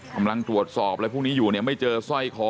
กำลังตรวจสอบอะไรพวกนี้อยู่เนี่ยไม่เจอสร้อยคอ